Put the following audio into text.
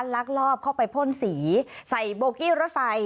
ลักลอบเข้าไปพ่นสีใส่โบกี้รถไฟ